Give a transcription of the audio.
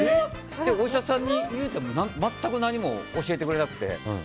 お医者さんに言うても全く何も教えてくれなくて。